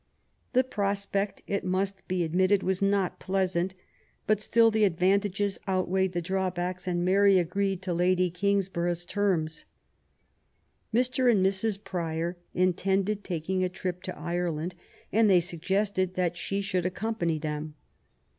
'' The prospect, it must be admitted, was not pleasant. But still the advantages outweighed the drawbacks, and Mary agreed to Lady Kingsborough's terms. Mr. and Mrs. Prior intended taking a trip to Ireland, and they suggested that she should accompany them.